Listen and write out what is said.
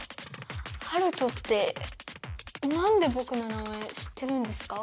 ハルトってなんでぼくの名前知ってるんですか？